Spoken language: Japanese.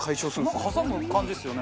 なんか挟む感じっすよね。